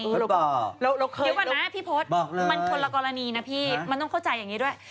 เดี๋ยวก่อนนะพี่พศมันคนละกรณีนะพี่มันต้องเข้าใจอย่างนี้ด้วย